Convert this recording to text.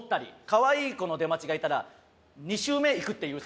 かわいい子の出待ちがいたら２周目いくっていう